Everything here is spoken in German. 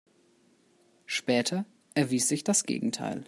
Später erwies sich das Gegenteil.